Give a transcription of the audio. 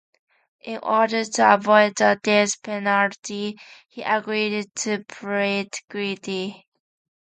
In order to avoid the death penalty, he agreed to plead guilty.